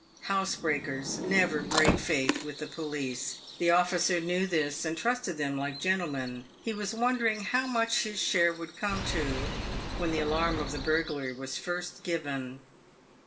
Housebreakers never break faith with the police. The officer knew this, and trusted them like gentlemen. He was wonder ing how much his share would come to, when the alarm of the burglary was first given.